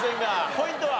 ポイントは？